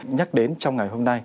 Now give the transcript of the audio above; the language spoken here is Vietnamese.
nhắc đến trong ngày hôm nay